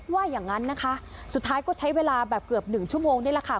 ว่าอย่างนั้นนะคะสุดท้ายก็ใช้เวลาแบบเกือบหนึ่งชั่วโมงนี่แหละค่ะ